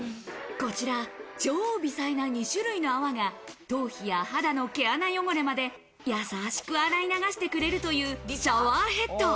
こちら、超微細な２種類の泡が頭皮や肌の毛穴汚れまで優しく洗い流してくれるというシャワーヘッド。